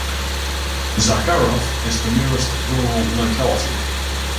Zakharov is the nearest rural locality.